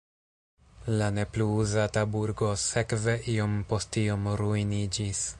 La ne plu uzata burgo sekve iom post iom ruiniĝis.